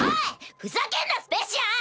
ふざけんなスペーシアン！